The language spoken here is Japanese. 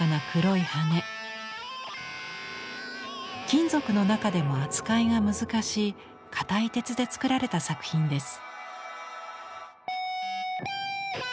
金属の中でも扱いが難しい硬い鉄で作られた作品です。